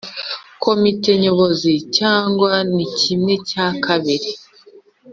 Komite Nyobozi cyangwa na kimwe cya kabiri